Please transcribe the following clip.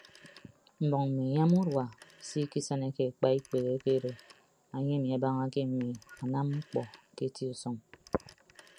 Mbʌk mme anyam urua se ikisịne ke akpa ikpehe akedo enye emi abañake mme anam mkpọ ke eti usʌñ.